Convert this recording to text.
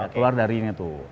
keluar dari ini tuh